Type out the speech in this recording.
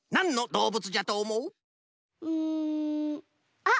うんあっ！